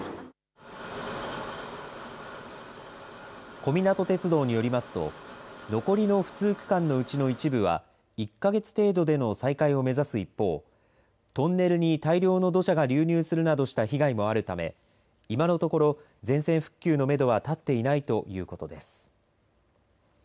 小湊鐵道によりますと残りの不通区間のうちの一部は１か月程度での再開を目指す一方トンネルに大量の土砂が流入するなどした被害もあったため今のところ全線復旧のめどは立っていないということです。